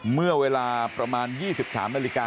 เมื่อเวลาประวัติศาสตร์ของกัมพูชาเกิดเพลิงไหม้